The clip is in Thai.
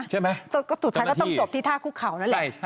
สุดท้ายก็ต้องจบที่ท่าคุกเข่านั่นแหละ